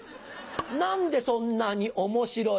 何でそんなに面白い？